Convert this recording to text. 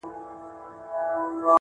مخ ته مي لاس راوړه چي ومي نه خوري.